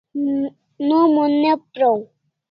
Nom o ne praw